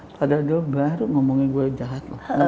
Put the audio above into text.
padahal dia baru ngomongin gue jahat